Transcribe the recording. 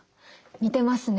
似てますね。